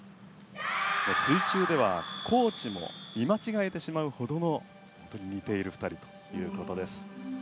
水中ではコーチも見間違えてしまうほど似ている２人ということです。